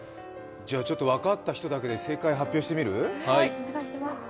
分かった人だけで正解、発表してみる？